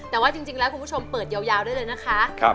แต่ว่าจริงแล้วคุณผู้ชมเปิดยาวได้เลยนะคะ